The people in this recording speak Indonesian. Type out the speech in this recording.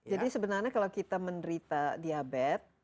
jadi sebenarnya kalau kita menderita diabetes